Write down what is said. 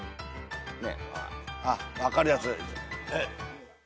あっ分かるやつ。